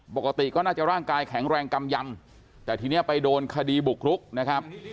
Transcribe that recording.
ปกติก็น่าจะร่างกายแข็งแรงกำยำแต่ทีนี้ไปโดนคดีบุกรุกนะครับ